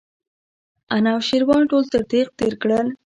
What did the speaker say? انوشیروان ټول تر تېغ تېر کړل.